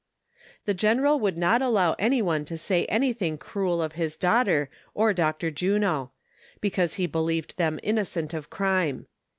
The general would not allow any one to say anything cruel of his daughter or Dr. Juno ; because he believed them innocent of crime.